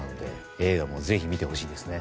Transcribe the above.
映画もぜひ見てほしいですね。